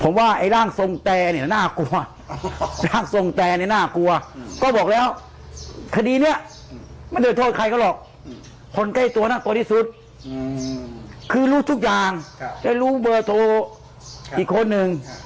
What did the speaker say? ไม่ได้ตัวนั่งตัวที่สุดคือรู้ทุกอย่างได้รู้เบอร์โทรอีกคนหนึ่ง